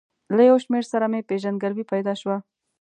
له یو شمېر سره مې پېژندګلوي پیدا شوه.